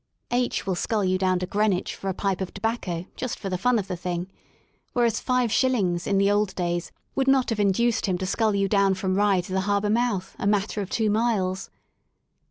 H will scull you down to Greenwich for a pipe of tobacco just for the fun of the thing; whereas five shillings, in the old days, would not have induced him to scull you down from Rye to the harbour mouth, a matter of two miles.